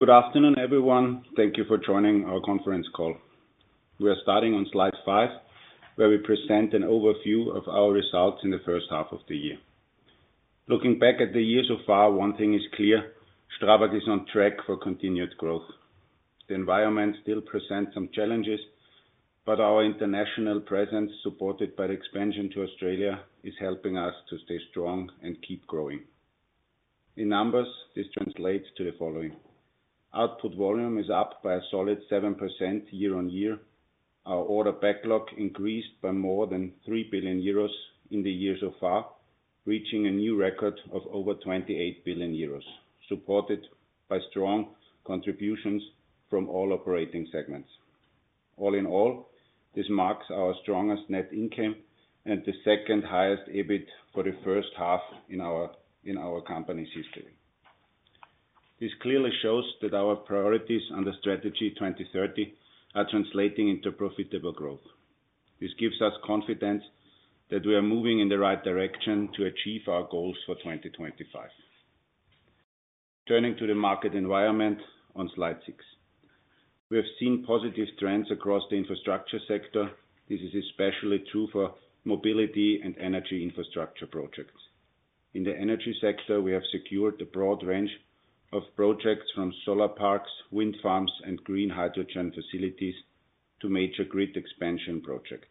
Good afternoon, everyone. Thank you for joining our conference call. We are starting on slide five, where we present an overview of our results in the first half of the year. Looking back at the year so far, one thing is clear: Strabag is on track for continued growth. The environment still presents some challenges, but our international presence, supported by the expansion to Australia, is helping us to stay strong and keep growing. In numbers, this translates to the following: Output volume is up by a solid 7% year-on-year. Our order backlog increased by more than 3 billion euros in the year so far, reaching a new record of over 28 billion euros, supported by strong contributions from all operating segments. All in all, this marks our strongest net income and the second highest EBIT for the first half in our company's history. This clearly shows that our priorities under Strategy 2030 are translating into profitable growth. This gives us confidence that we are moving in the right direction to achieve our goals for 2025. Turning to the market environment on slide six, we have seen positive trends across the infrastructure sector. This is especially true for mobility and energy infrastructure projects. In the energy sector, we have secured a broad range of projects, from solar parks, wind farms, and green hydrogen facilities to major grid expansion projects.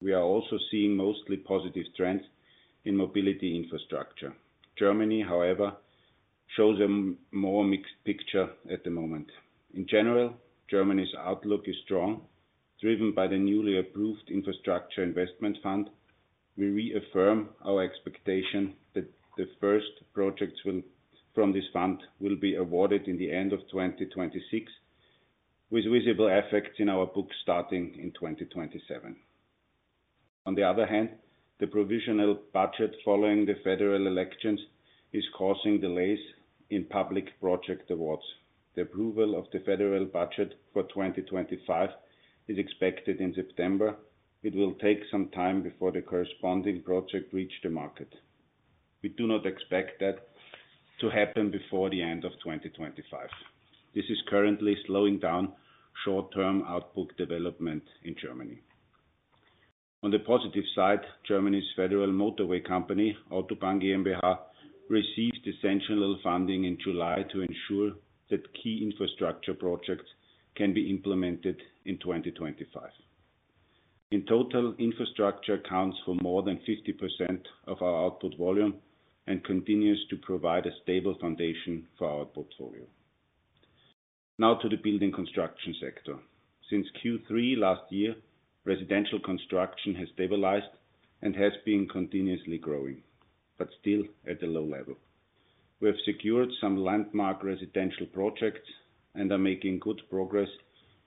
We are also seeing mostly positive trends in mobility infrastructure. Germany, however, shows a more mixed picture at the moment. In general, Germany's outlook is strong, driven by the newly approved Infrastructure Investment Fund. We reaffirm our expectation that the first projects from this fund will be awarded in the end of 2026, with visible effects in our books starting in 2027. On the other hand, the provisional budget following the federal elections is causing delays in public project awards. The approval of the federal budget for 2025 is expected in September. It will take some time before the corresponding project reaches the market. We do not expect that to happen before the end of 2025. This is currently slowing down short-term output development in Germany. On the positive side, Germany's federal motorway company, Autobahn GmbH, received essential funding in July to ensure that key infrastructure projects can be implemented in 2025. In total, infrastructure accounts for more than 50% of our output volume and continues to provide a stable foundation for our portfolio. Now to the building construction sector. Since Q3 last year, residential construction has stabilized and has been continuously growing, but still at a low level. We have secured some landmark residential projects and are making good progress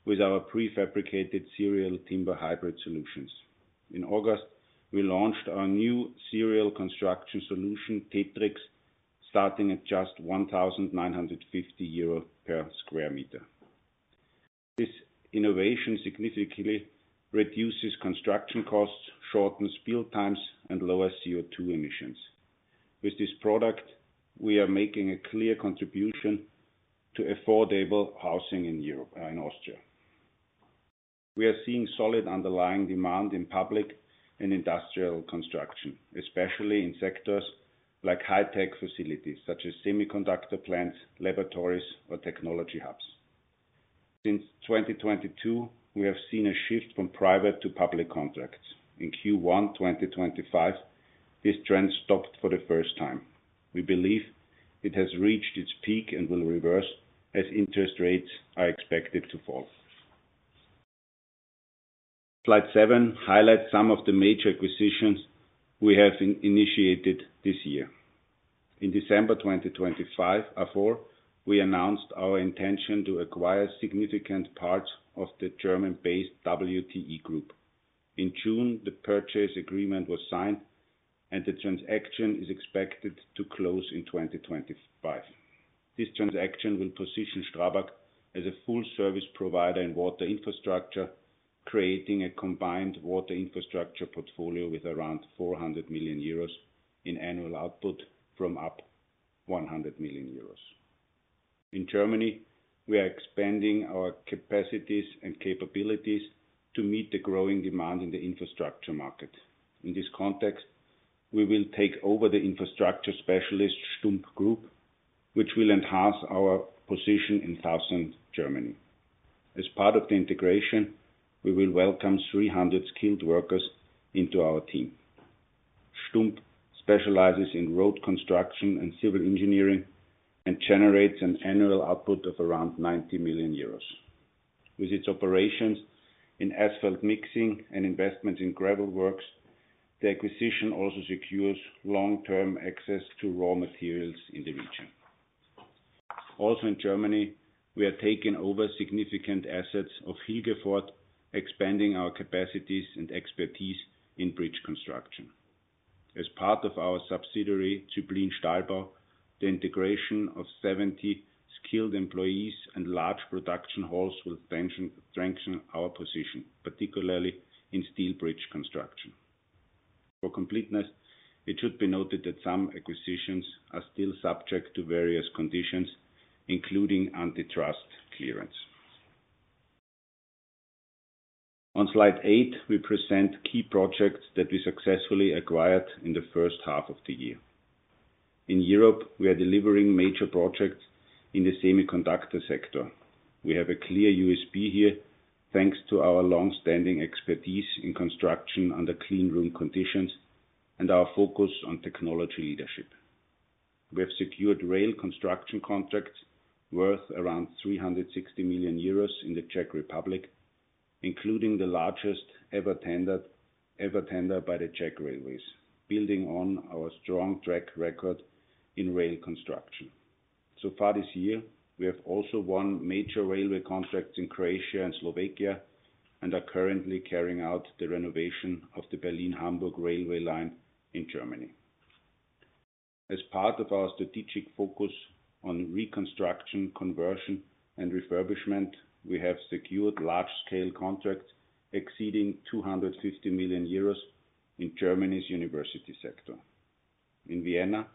with our prefabricated serial timber hybrid solutions. In August, we launched our new serial construction solution, TETRIQX, starting at just 1,950 euro per sqm. This innovation significantly reduces construction costs, shortens build times, and lowers CO2 emissions. With this product, we are making a clear contribution to affordable housing in Austria. We are seeing solid underlying demand in public and industrial construction, especially in sectors like high-tech facilities such as semiconductor plants, laboratories, or technology hubs. Since 2022, we have seen a shift from private to public contracts. In Q1 2025, this trend stopped for the first time. We believe it has reached its peak and will reverse as interest rates are expected to fall. Slide seven highlights some of the major acquisitions we have initiated this year. In December 2025, we announced our intention to acquire significant parts of the German-based WTE Group. In June, the purchase agreement was signed, and the transaction is expected to close in 2025. This transaction will position Strabag as a full-service provider in water infrastructure, creating a combined water infrastructure portfolio with around 400 million euros in annual output from up to 100 million euros. In Germany, we are expanding our capacities and capabilities to meet the growing demand in the infrastructure market. In this context, we will take over the infrastructure specialist Stumpp Group, which will enhance our position in Southern Germany. As part of the integration, we will welcome 300 skilled workers into our team. Stumpp specializes in road construction and civil engineering and generates an annual output of around 90 million euros. With its operations in asphalt mixing and investments in gravel works, the acquisition also secures long-term access to raw materials in the region. Also in Germany, we are taking over significant assets of Hilgefort, expanding our capacities and expertise in bridge construction. As part of our subsidiary, ZÜBLIN Stahlbau, the integration of 70 skilled employees and large production halls will strengthen our position, particularly in steel bridge construction. For completeness, it should be noted that some acquisitions are still subject to various conditions, including antitrust clearance. On slide eight, we present key projects that we successfully acquired in the first half of the year. In Europe, we are delivering major projects in the semiconductor sector. We have a clear USP here, thanks to our long-standing expertise in construction under clean room conditions and our focus on technology leadership. We have secured rail construction contracts worth around 360 million euros in the Czech Republic, including the largest ever tendered by the Czech Railways, building on our strong track record in rail construction. So far this year, we have also won major railway contracts in Croatia and Slovakia and are currently carrying out the renovation of the Berlin-Hamburg railway line in Germany. As part of our strategic focus on reconstruction, conversion, and refurbishment, we have secured large-scale contracts exceeding 250 million euros in Germany's university sector. In Vienna,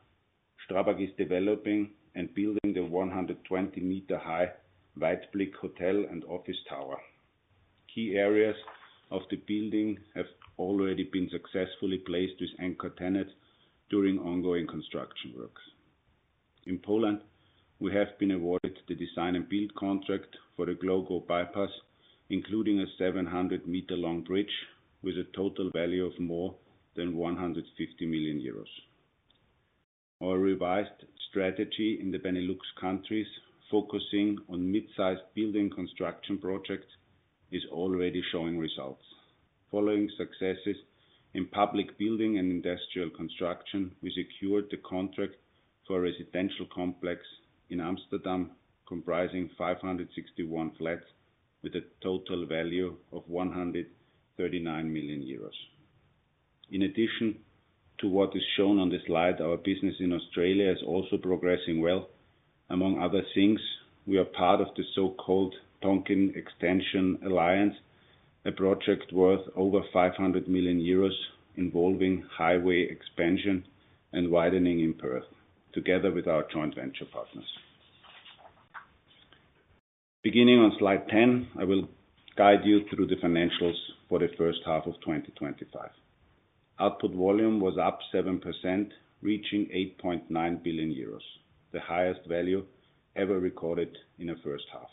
Strabag is developing and building the 120 m high Weitblick Hotel and Office Tower. Key areas of the building have already been successfully placed with anchor tenants during ongoing construction works. In Poland, we have been awarded the design and build contract for the Głogów Bypass, including a 700 m long bridge with a total value of more than 150 million euros. Our revised strategy in the Benelux countries, focusing on mid-sized building construction projects, is already showing results. Following successes in public building and industrial construction, we secured the contract for a residential complex in Amsterdam, comprising 561 flats, with a total value of 139 million euros. In addition to what is shown on the slide, our business in Australia is also progressing well. Among other things, we are part of the so-called Tonkin Extension Alliance, a project worth over 500 million euros involving highway expansion and widening in Perth, together with our joint venture partners. Beginning on slide 10, I will guide you through the financials for the first half of 2025. Output volume was up 7%, reaching 8.9 billion euros, the highest value ever recorded in the first half.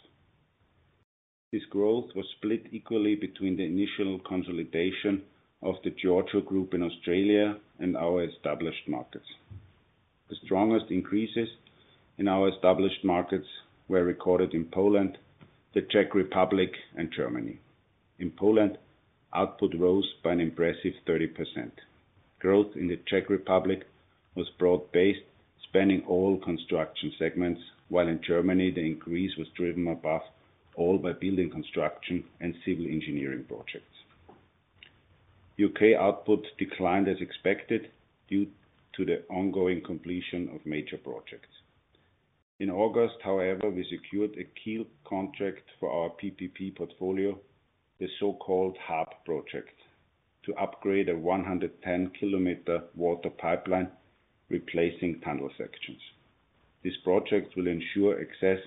This growth was split equally between the initial consolidation of the Georgiou Group in Australia and our established markets. The strongest increases in our established markets were recorded in Poland, the Czech Republic, and Germany. In Poland, output rose by an impressive 30%. Growth in the Czech Republic was broad-based, spanning all construction segments, while in Germany, the increase was driven above all by building construction and civil engineering projects. U.K. output declined as expected due to the ongoing completion of major projects. In August, however, we secured a key contract for our PPP portfolio, the so-called HARP project, to upgrade a 110 km water pipeline, replacing tunnel sections. This project will ensure access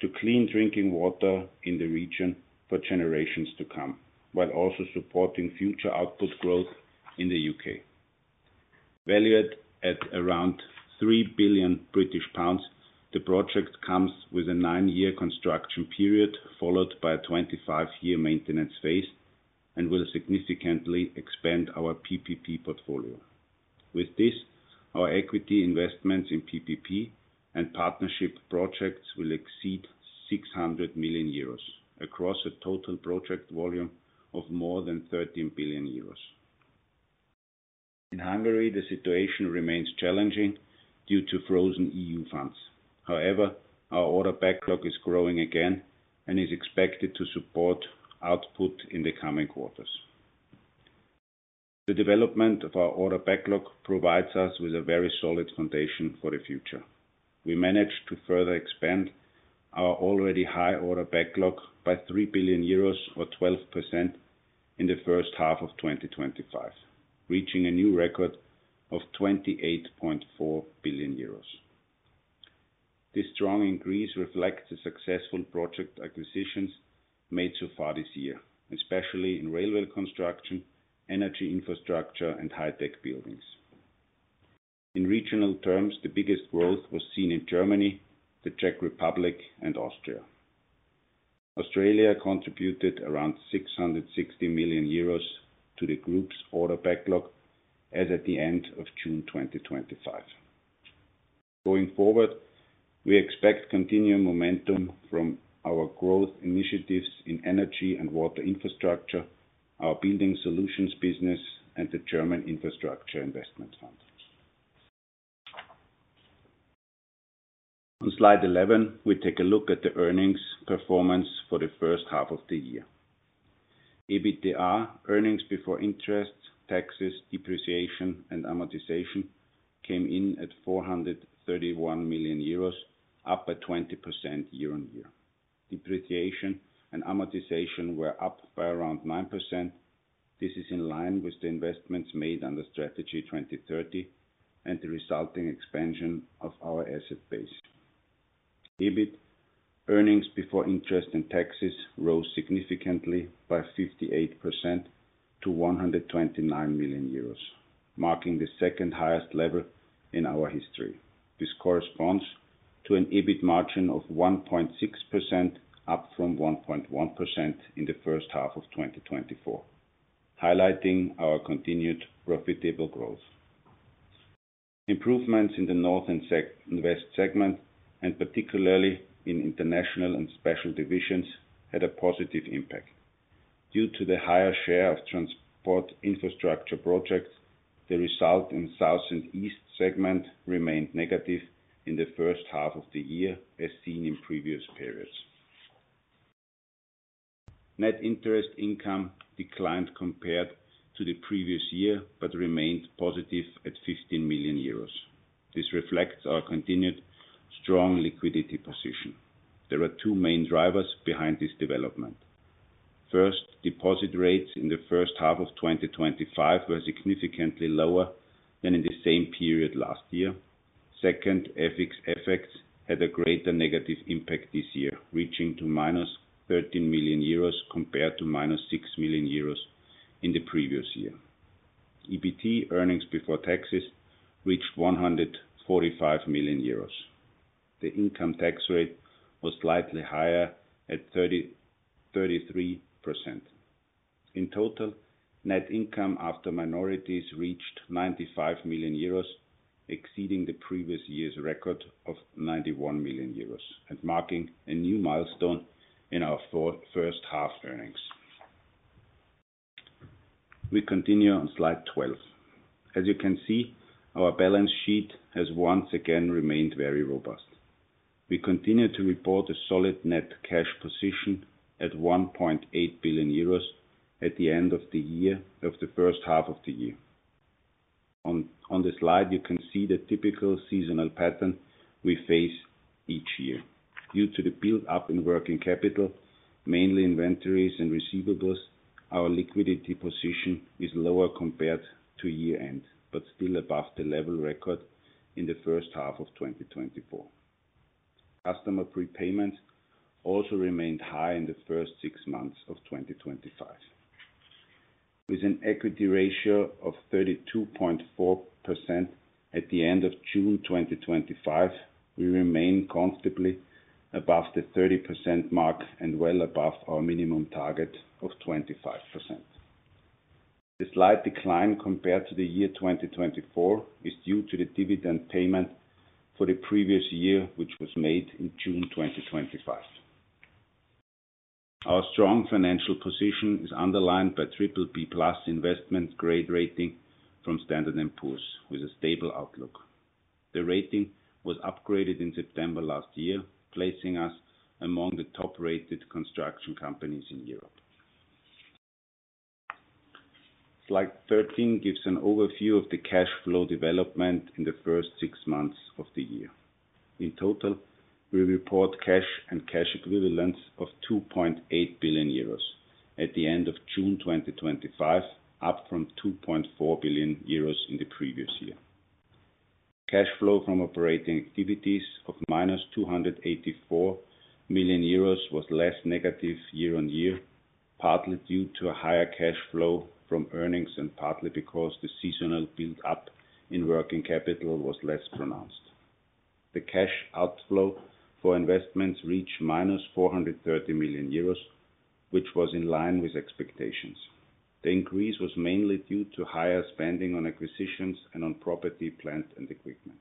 to clean drinking water in the region for generations to come, while also supporting future output growth in the U.K. Valued at around 3 billion British pounds, the project comes with a nine-year construction period followed by a 25-year maintenance phase and will significantly expand our PPP portfolio. With this, our equity investments in PPP and partnership projects will exceed 600 million euros across a total project volume of more than 13 billion euros. In Hungary, the situation remains challenging due to frozen EU funds. However, our order backlog is growing again and is expected to support output in the coming quarters. The development of our order backlog provides us with a very solid foundation for the future. We managed to further expand our already high order backlog by 3 billion euros, or 12%, in the first half of 2025, reaching a new record of 28.4 billion euros. This strong increase reflects the successful project acquisitions made so far this year, especially in railway construction, energy infrastructure, and high-tech buildings. In regional terms, the biggest growth was seen in Germany, the Czech Republic, and Austria. Australia contributed around 660 million euros to the group's order backlog as at the end of June 2025. Going forward, we expect continued momentum from our growth initiatives in energy and water infrastructure, our building solutions business, and the German Infrastructure Investment Fund. On slide 11, we take a look at the earnings performance for the first half of the year. EBITDA, earnings before interest, taxes, depreciation, and amortization came in at 431 million euros, up by 20% year-on-year. Depreciation and amortization were up by around 9%. This is in line with the investments made under Strategy 2030 and the resulting expansion of our asset base. EBIT earnings before interest and taxes rose significantly by 58% to 129 million euros, marking the second highest level in our history. This corresponds to an EBIT margin of 1.6%, up from 1.1% in the first half of 2024, highlighting our continued profitable growth. Improvements in the north and west segment, and particularly in international and special divisions, had a positive impact. Due to the higher share of transport infrastructure projects, the result in the south and east segment remained negative in the first half of the year, as seen in previous periods. Net interest income declined compared to the previous year but remained positive at 15 million euros. This reflects our continued strong liquidity position. There are two main drivers behind this development. First, deposit rates in the first half of 2025 were significantly lower than in the same period last year. Second, FX effects had a greater negative impact this year, reaching 13 million euros compared to 6 million euros in the previous year. EBIT earnings before taxes reached 145 million euros. The income tax rate was slightly higher at 33%. In total, net income after minorities reached 95 million euros, exceeding the previous year's record of 91 million euros and marking a new milestone in our first half earnings. We continue on slide 12. As you can see, our balance sheet has once again remained very robust. We continue to report a solid net cash position at 1.8 billion euros at the end of the year of the first half of the year. On the slide, you can see the typical seasonal pattern we face each year. Due to the build-up in working capital, mainly inventories and receivables, our liquidity position is lower compared to year-end, but still above the level recorded in the first half of 2024. Customer prepayments also remained high in the first six months of 2025. With an equity ratio of 32.4% at the end of June 2025, we remain comfortably above the 30% mark and well above our minimum target of 25%. The slight decline compared to the year 2024 is due to the dividend payment for the previous year, which was made in June 2025. Our strong financial position is underlined by BBB plus investment grade rating from Standard and Poor's with a stable outlook. The rating was upgraded in September last year, placing us among the top-rated construction companies in Europe. Slide 13 gives an overview of the cash flow development in the first six months of the year. In total, we report cash and cash equivalents of 2.8 billion euros at the end of June 2025, up from 2.4 billion euros in the previous year. Cash flow from operating activities of 284 million euros was less negative year-on-year, partly due to a higher cash flow from earnings and partly because the seasonal build-up in working capital was less pronounced. The cash outflow for investments reached 430 million euros, which was in line with expectations. The increase was mainly due to higher spending on acquisitions and on property, plant and equipment.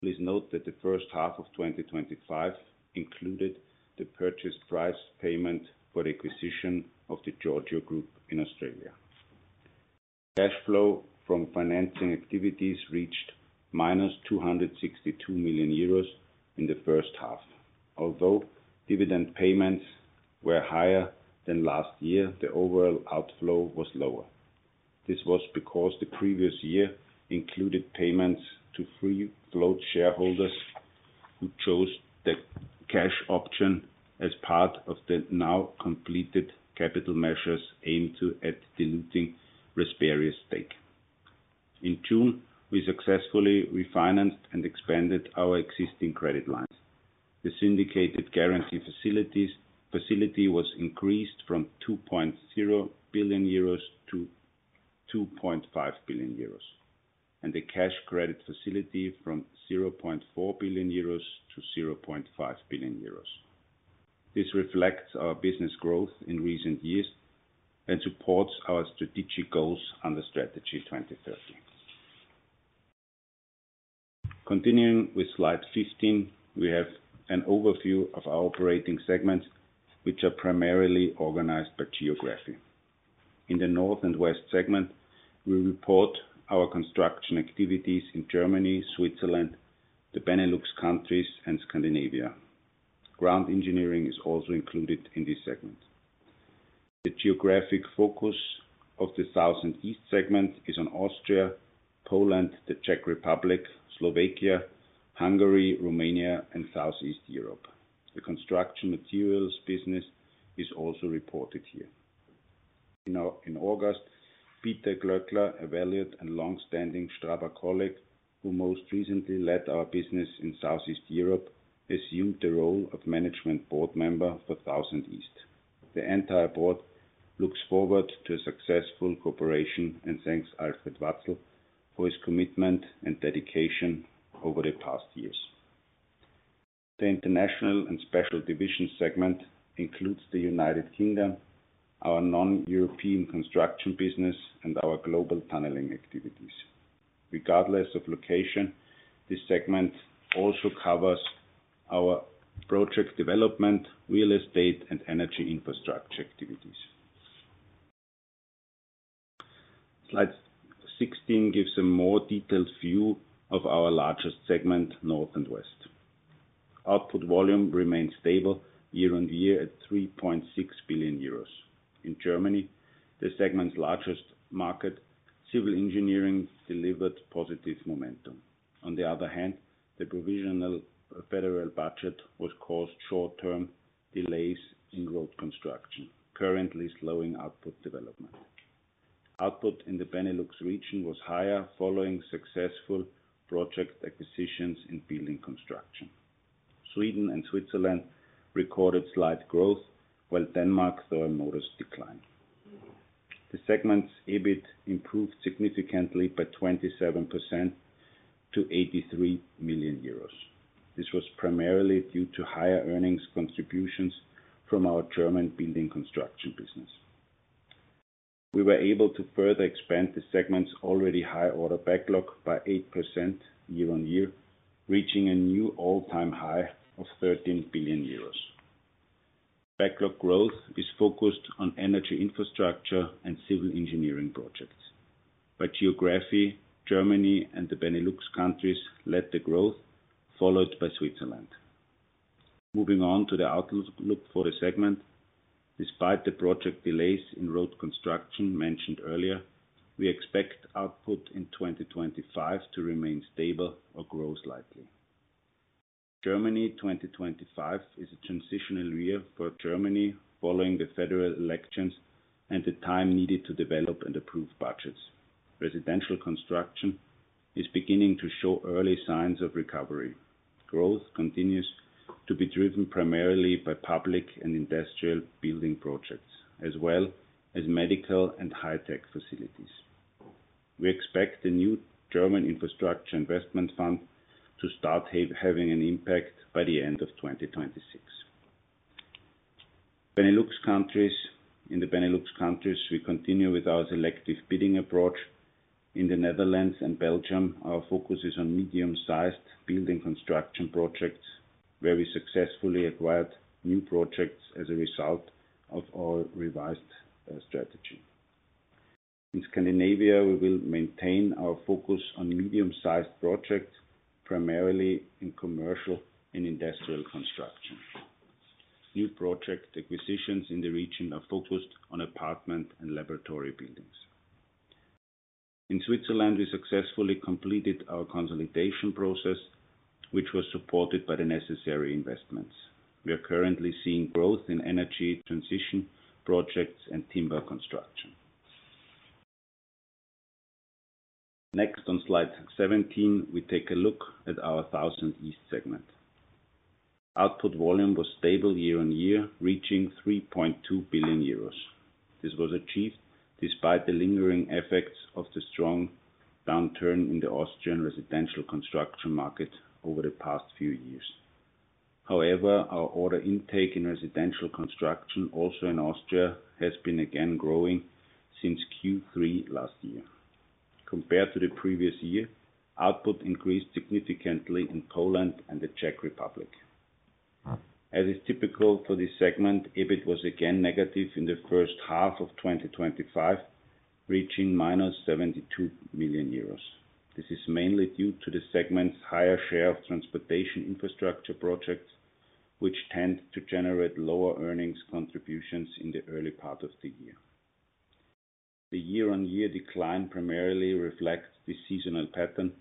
Please note that the first half of 2025 included the purchase price payment for the acquisition of the Georgiou Group in Australia. Cash flow from financing activities reached 262 million euros in the first half. Although dividend payments were higher than last year, the overall outflow was lower. This was because the previous year included payments to free-float shareholders who chose the cash option as part of the now completed capital measures aimed to add diluting Rasperia's stake. In June, we successfully refinanced and expanded our existing credit lines. The syndicated guarantee facility was increased from 2.0 billion-2.5 billion euros and the cash credit facility from 0.4 billion-0.5 billion euros. This reflects our business growth in recent years and supports our strategic goals under Strategy 2030. Continuing with slide 15, we have an overview of our operating segments, which are primarily organized by geography. In the north and west segment, we report our construction activities in Germany, Switzerland, the Benelux countries, and Scandinavia. Ground engineering is also included in this segment. The geographic focus of the south and east segment is on Austria, Poland, the Czech Republic, Slovakia, Hungary, Romania, and southeast Europe. The construction materials business is also reported here. In August, Péter Glöckler, a valued and long-standing Strabag colleague who most recently led our business in southeast Europe, assumed the role of management board member for south and east. The entire board looks forward to a successful cooperation and thanks Alfred Watzl for his commitment and dedication over the past years. The international and special division segment includes the United Kingdom, our non-European construction business, and our global tunneling activities. Regardless of location, this segment also covers our project development, real estate, and energy infrastructure activities. Slide 16 gives a more detailed view of our largest segment, north and west. Output volume remained stable year-on-year at 3.6 billion euros. In Germany, the segment's largest market, civil engineering, delivered positive momentum. On the other hand, the provisional federal budget was caused by short-term delays in road construction, currently slowing output development. Output in the Benelux region was higher following successful project acquisitions in building construction. Sweden and Switzerland recorded slight growth, while Denmark saw a modest decline. The segment's EBIT improved significantly by 27% to 83 million euros. This was primarily due to higher earnings contributions from our German building construction business. We were able to further expand the segment's already high order backlog by 8% year-on-year, reaching a new all-time high of 13 billion euros. Backlog growth is focused on energy infrastructure and civil engineering projects. By geography, Germany and the Benelux countries led the growth, followed by Switzerland. Moving on to the outlook for the segment, despite the project delays in road construction mentioned earlier, we expect output in 2025 to remain stable or grow slightly. Germany 2025 is a transitional year for Germany following the federal elections and the time needed to develop and approve budgets. Residential construction is beginning to show early signs of recovery. Growth continues to be driven primarily by public and industrial building projects, as well as medical and high-tech facilities. We expect the new German Infrastructure Investment Fund to start having an impact by the end of 2026. In the Benelux countries, we continue with our selective bidding approach. In the Netherlands and Belgium, our focus is on medium-sized building construction projects, where we successfully acquired new projects as a result of our revised strategy. In Scandinavia, we will maintain our focus on medium-sized projects, primarily in commercial and industrial construction. New project acquisitions in the region are focused on apartment and laboratory buildings. In Switzerland, we successfully completed our consolidation process, which was supported by the necessary investments. We are currently seeing growth in energy transition projects and timber construction. Next, on slide 17, we take a look at our south and east segment. Output volume was stable year-on-year, reaching 3.2 billion euros. This was achieved despite the lingering effects of the strong downturn in the Austrian residential construction market over the past few years. However, our order intake in residential construction, also in Austria, has been again growing since Q3 last year. Compared to the previous year, output increased significantly in Poland and the Czech Republic. As is typical for this segment, EBIT was again negative in the first half of 2025, reaching 72 million euros. This is mainly due to the segment's higher share of transportation infrastructure projects, which tend to generate lower earnings contributions in the early part of the year. The year-on-year decline primarily reflects the seasonal pattern,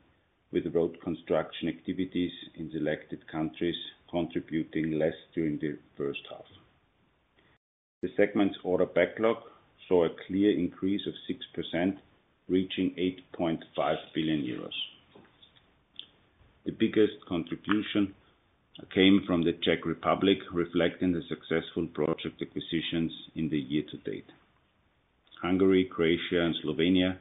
with road construction activities in selected countries contributing less during the first half. The segment's order backlog saw a clear increase of 6%, reaching 8.5 billion euros. The biggest contribution came from the Czech Republic, reflecting the successful project acquisitions in the year-to-date. Hungary, Croatia, and Slovenia,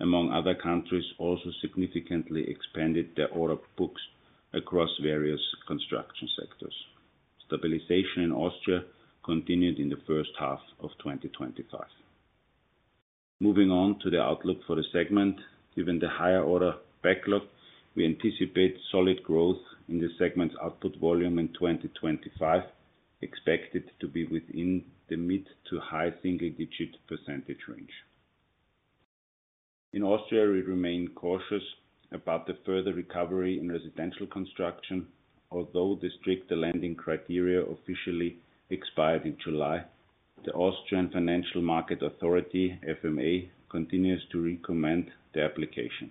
among other countries, also significantly expanded their order books across various construction sectors. Stabilization in Austria continued in the first half of 2025. Moving on to the outlook for the segment, given the higher order backlog, we anticipate solid growth in the segment's output volume in 2025, expected to be within the mid- to high-single-digit % range. In Austria, we remain cautious about the further recovery in residential construction. Although the strict landing criteria officially expired in July, the Austrian Financial Market Authority (FMA) continues to recommend the application.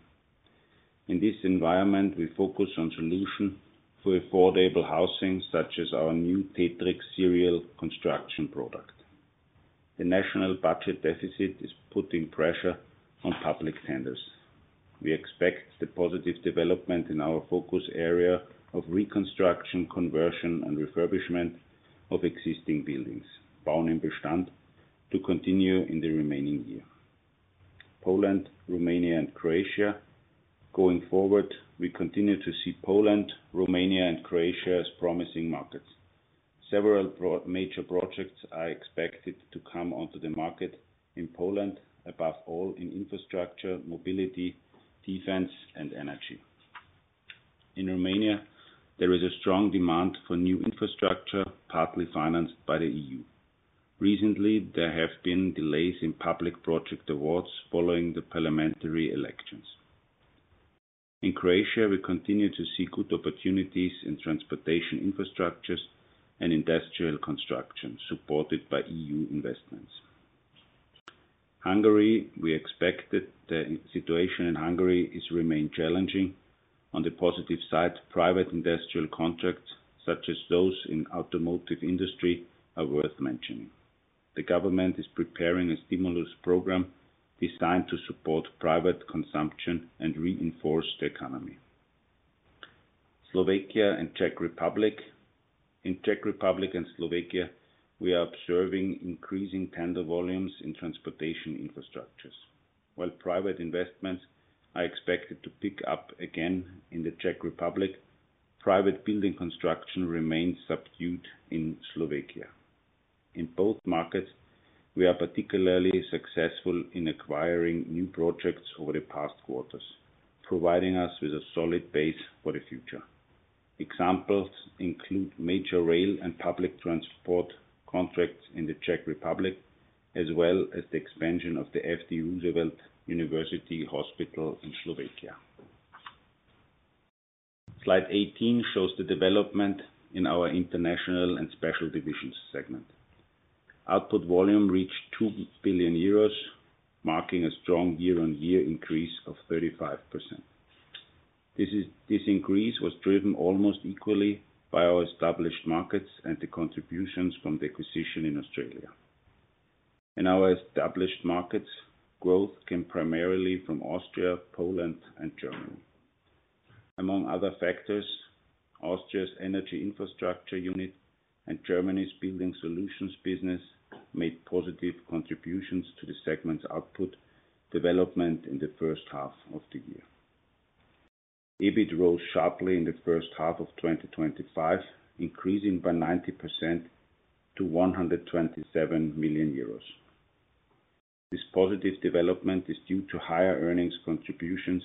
In this environment, we focus on solutions for affordable housing, such as our new TETRIQX serial construction product. The national budget deficit is putting pressure on public tenders. We expect the positive development in our focus area of reconstruction, conversion, and refurbishment of existing buildings to continue in the remaining year. Poland, Romania, and Croatia. Going forward, we continue to see Poland, Romania, and Croatia as promising markets. Several major projects are expected to come onto the market in Poland, above all in infrastructure, mobility, defense, and energy. In Romania, there is a strong demand for new infrastructure, partly financed by the EU. Recently, there have been delays in public project awards following the parliamentary elections. In Croatia, we continue to see good opportunities in transportation infrastructures and industrial construction, supported by EU investments. Hungary. We expect that the situation in Hungary remains challenging. On the positive side, private industrial contracts, such as those in the automotive industry, are worth mentioning. The government is preparing a stimulus program designed to support private consumption and reinforce the economy. Slovakia and Czech Republic. In Czech Republic and Slovakia, we are observing increasing tender volumes in transportation infrastructures. While private investments are expected to pick up again in the Czech Republic, private building construction remains subdued in Slovakia. In both markets, we are particularly successful in acquiring new projects over the past quarters, providing us with a solid base for the future. Examples include major rail and public transport contracts in the Czech Republic, as well as the expansion of the F.D. Roosevelt University Hospital in Slovakia. Slide 18 shows the development in our international and special division segment. Output volume reached 2 billion euros, marking a strong year-on-year increase of 35%. This increase was driven almost equally by our established markets and the contributions from the acquisition in Australia. In our established markets, growth came primarily from Austria, Poland, and Germany. Among other factors, Austria's energy infrastructure unit and Germany's building solutions business made positive contributions to the segment's output development in the first half of the year. EBIT rose sharply in the first half of 2025, increasing by 90% to 127 million euros. This positive development is due to higher earnings contributions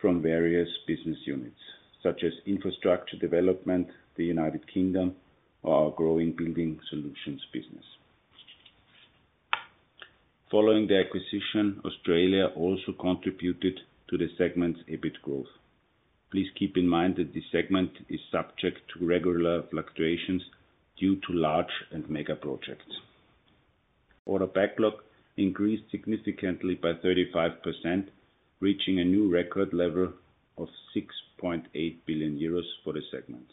from various business units, such as infrastructure development, the United Kingdom, or our growing building solutions business. Following the acquisition, Australia also contributed to the segment's EBIT growth. Please keep in mind that this segment is subject to regular fluctuations due to large and mega projects. Order backlog increased significantly by 35%, reaching a new record level of 6.8 billion euros for the segment.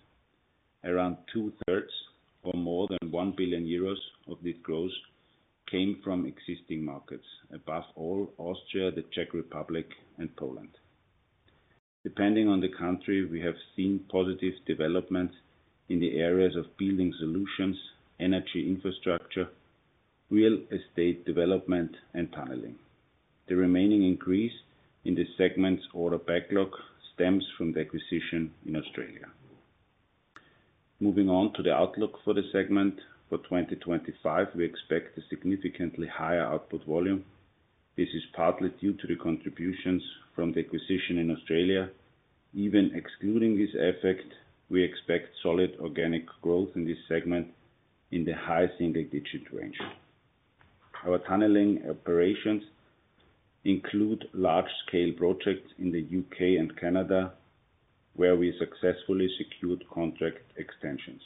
Around two-thirds or more than 1 billion euros of this growth came from existing markets, above all Austria, the Czech Republic, and Poland. Depending on the country, we have seen positive developments in the areas of building solutions, energy infrastructure, real estate development, and tunneling. The remaining increase in the segment's order backlog stems from the acquisition in Australia. Moving on to the outlook for the segment for 2025, we expect a significantly higher output volume. This is partly due to the contributions from the acquisition in Australia. Even excluding this effect, we expect solid organic growth in this segment in the high single-digit range. Our tunneling operations include large-scale projects in the U.K. and Canada, where we successfully secured contract extensions.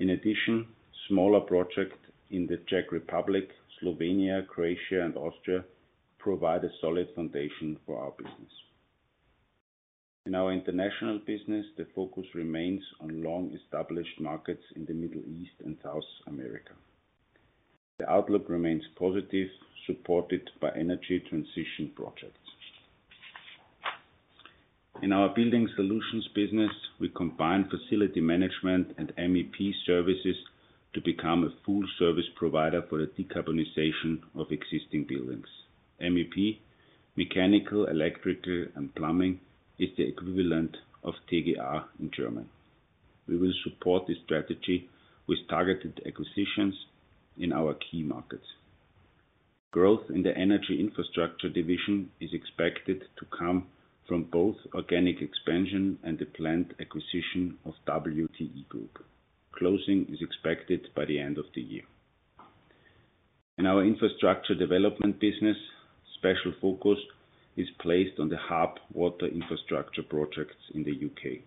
In addition, smaller projects in the Czech Republic, Slovenia, Croatia, and Austria provide a solid foundation for our business. In our international business, the focus remains on long-established markets in the Middle East and South America. The outlook remains positive, supported by energy transition projects. In our building solutions business, we combine facility management and MEP services to become a full-service provider for the decarbonization of existing buildings. MEP, mechanical, electrical, and plumbing, is the equivalent of TGA in German. We will support this strategy with targeted acquisitions in our key markets. Growth in the energy infrastructure division is expected to come from both organic expansion and the planned acquisition of WTE Group. Closing is expected by the end of the year. In our infrastructure development business, special focus is placed on the HARP water infrastructure projects in the U.K.,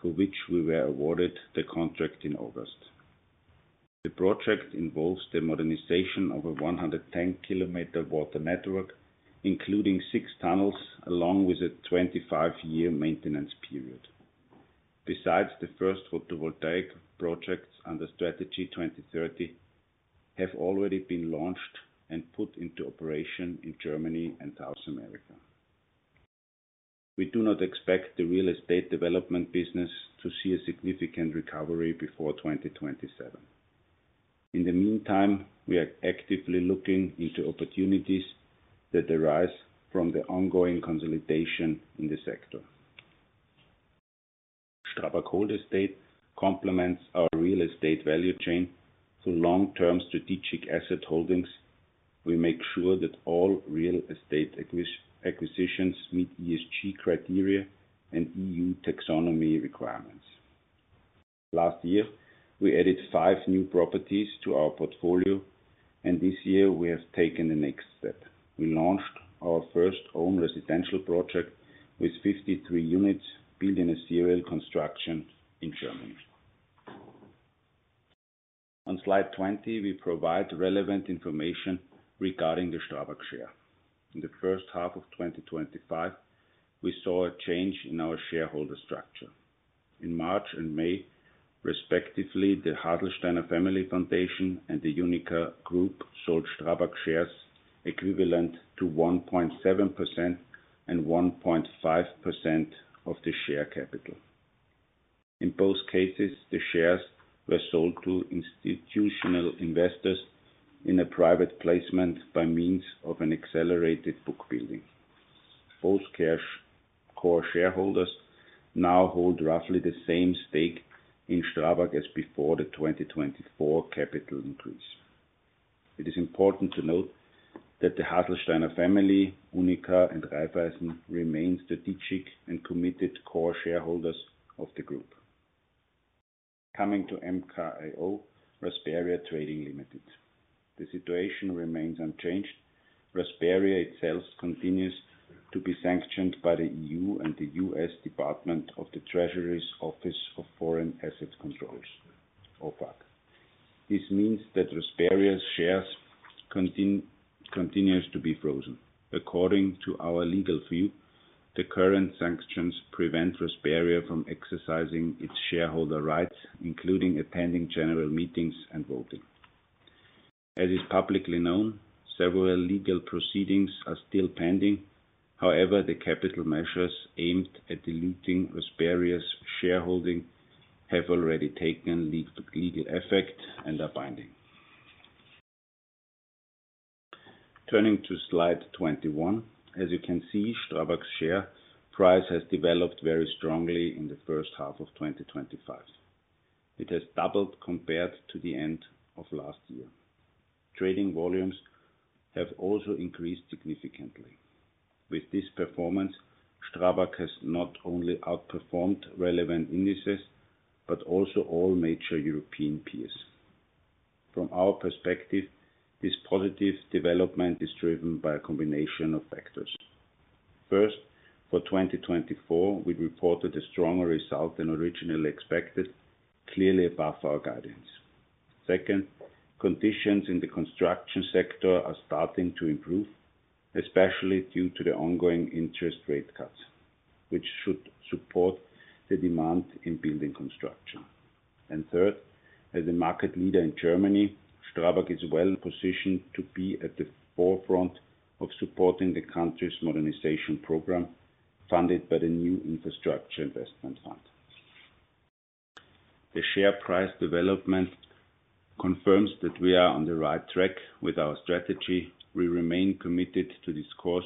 for which we were awarded the contract in August. The project involves the modernization of a 110 km water network, including six tunnels, along with a 25-year maintenance period. Besides, the first photovoltaic projects under Strategy 2030 have already been launched and put into operation in Germany and South America. We do not expect the real estate development business to see a significant recovery before 2027. In the meantime, we are actively looking into opportunities that arise from the ongoing consolidation in the sector. STRABAG Hold Estate complements our real estate value chain through long-term strategic asset holdings. We make sure that all real estate acquisitions meet ESG criteria and EU taxonomy requirements. Last year, we added five new properties to our portfolio, and this year we have taken the next step. We launched our first own residential project with 53 units built in a serial construction in Germany. On slide 20, we provide relevant information regarding the Strabag share. In the first half of 2025, we saw a change in our shareholder structure. In March and May, respectively, the Haselsteiner Family Foundation and the Uniqa Group sold Strabag shares equivalent to 1.7% and 1.5% of the share capital. In both cases, the shares were sold to institutional investors in a private placement by means of an accelerated book building. Both core shareholders now hold roughly the same stake in Strabag as before the 2024 capital increase. It is important to note that the Haselsteiner Family, Uniqa, and Raiffeisen remain strategic and committed core shareholders of the group. Coming to MKAO, Rasperia Trading Limited. The situation remains unchanged. Rasperia itself continues to be sanctioned by the EU and the U.S. Department of the Treasury's Office of Foreign Asset Controls, OFAC. This means that Rasperia's shares continue to be frozen. According to our legal view, the current sanctions prevent Rasperia from exercising its shareholder rights, including attending general meetings and voting. As is publicly known, several legal proceedings are still pending. However, the capital measures aimed at diluting Rasperia's shareholding have already taken legal effect and are binding. Turning to slide 21, as you can see, Strabag's share price has developed very strongly in the first half of 2025. It has doubled compared to the end of last year. Trading volumes have also increased significantly. With this performance, Strabag has not only outperformed relevant indices but also all major European peers. From our perspective, this positive development is driven by a combination of factors. First, for 2024, we reported a stronger result than originally expected, clearly above our guidance. Second, conditions in the construction sector are starting to improve, especially due to the ongoing interest rate cuts, which should support the demand in building construction. And third, as a market leader in Germany, Strabag is well positioned to be at the forefront of supporting the country's modernization program funded by the new infrastructure investment fund. The share price development confirms that we are on the right track with our strategy. We remain committed to this course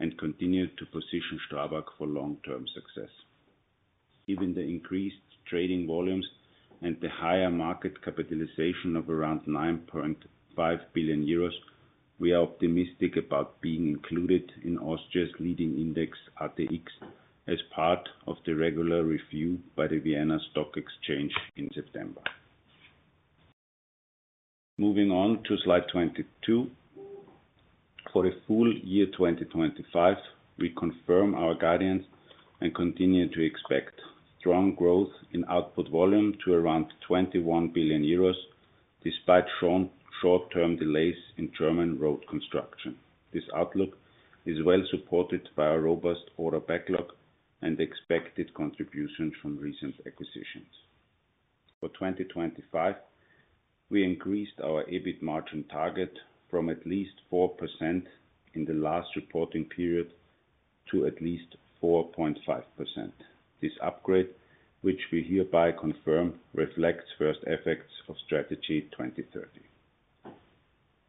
and continue to position Strabag for long-term success. Given the increased trading volumes and the higher market capitalization of around 9.5 billion euros, we are optimistic about being included in Austria's leading index ATX as part of the regular review by the Vienna Stock Exchange in September. Moving on to slide 22. For the full year 2025, we confirm our guidance and continue to expect strong growth in output volume to around 21 billion euros, despite short-term delays in German road construction. This outlook is well supported by a robust order backlog and expected contributions from recent acquisitions. For 2025, we increased our EBIT margin target from at least 4% in the last reporting period to at least 4.5%. This upgrade, which we hereby confirm, reflects first effects of Strategy 2030.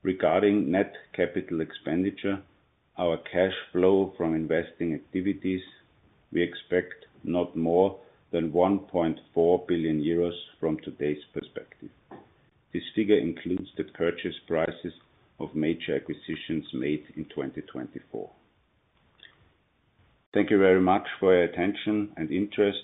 Regarding net capital expenditure, our cash flow from investing activities, we expect not more than 1.4 billion euros from today's perspective. This figure includes the purchase prices of major acquisitions made in 2024. Thank you very much for your attention and interest.